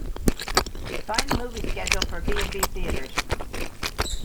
Find the movie schedule for B&B Theatres.